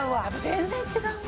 全然違うね。